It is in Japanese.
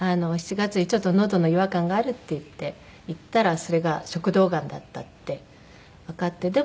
７月に「ちょっとのどの違和感がある」って言って行ったらそれが食道がんだったってわかって。